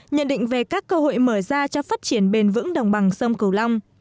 nhận định về các cơ hội mở ra cho phát triển bền vững đồng bằng sông cửu long